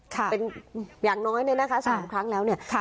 ค่ะเป็นอย่างน้อยเนี้ยนะคะสามครั้งแล้วเนี้ยค่ะ